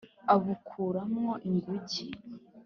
abukura mwo ingunge